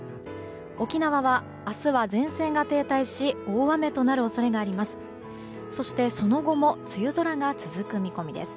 沖縄は明日は前線が停滞し大雨となる恐れがあります。